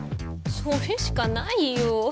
それしかないよ。